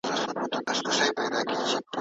کلونه کیږي چي مي پل د یار لیدلی نه دی